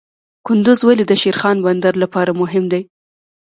کندز ولې د شیرخان بندر لپاره مهم دی؟